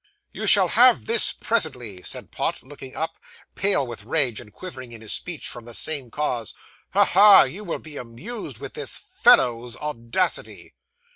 'You shall have this presently,' said Pott, looking up, pale with rage, and quivering in his speech, from the same cause. 'Ha! ha! you will be amused with this fellow's audacity.